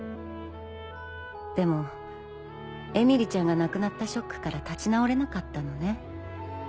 でも絵美里ちゃんが亡くなったショックから立ち直れなかったのね。